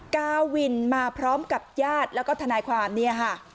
กาวินมาพร้อมกับญาติแล้วก็ทนายความเนี่ยค่ะ